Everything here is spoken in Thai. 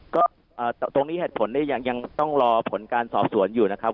ก็ตรงนี้เหตุผลเนี่ยยังต้องรอผลการสอบสวนอยู่นะครับ